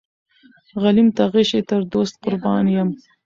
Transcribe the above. غلیم ته غشی تر دوست قربان یم.